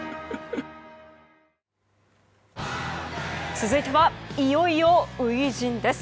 続いてはいよいよ初陣です。